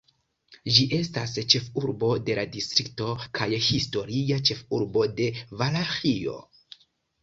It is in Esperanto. Ĝi estas ĉefurbo de la distrikto kaj historia ĉefurbo de Valaĥio.